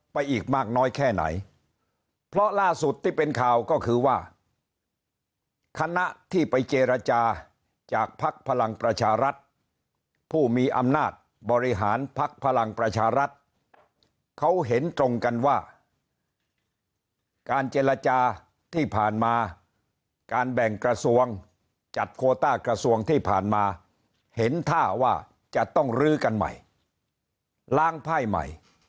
อีกมากน้อยแค่ไหนเพราะล่าสุดที่เป็นข่าวก็คือว่าคณะที่ไปเจรจาจากภักดิ์พลังประชารัฐผู้มีอำนาจบริหารพักพลังประชารัฐเขาเห็นตรงกันว่าการเจรจาที่ผ่านมาการแบ่งกระทรวงจัดโคต้ากระทรวงที่ผ่านมาเห็นท่าว่าจะต้องลื้อกันใหม่ล้างไพ่ใหม่